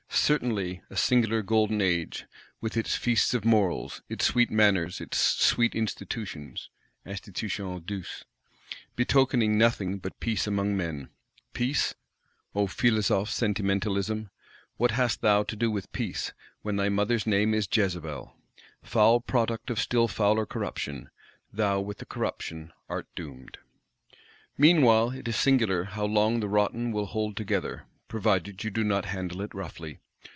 Certainly a singular Golden Age; with its Feasts of Morals, its "sweet manners," its sweet institutions (institutions douces); betokening nothing but peace among men!—Peace? O Philosophe Sentimentalism, what hast thou to do with peace, when thy mother's name is Jezebel? Foul Product of still fouler Corruption, thou with the corruption art doomed! Meanwhile it is singular how long the rotten will hold together, provided you do not handle it roughly.